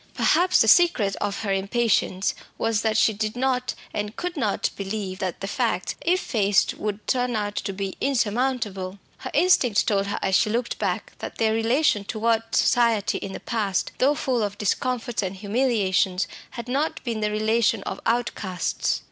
Perhaps the secret of her impatience was that she did not, and could not, believe that the facts, if faced, would turn out to be insurmountable. Her instinct told her as she looked back that their relation toward society in the past, though full of discomforts and humiliations, had not been the relation of outcasts.